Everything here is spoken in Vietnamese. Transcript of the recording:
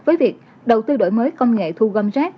với việc đầu tư đổi mới công nghệ thu gom rác